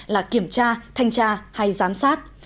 là kiểm tra thanh tra hay giám sát